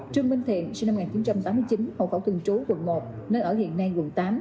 trương minh thiện sinh năm một nghìn chín trăm tám mươi chín hộ khẩu thường trú quận một nơi ở hiện nay quận tám